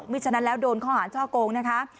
ไม่ใช่ฉะนั้นแล้วโดนข้ออ่านช่อโกงนะคะ